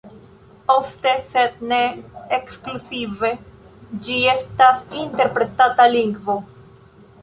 Ofte, sed ne ekskluzive, ĝi estas interpretata lingvo.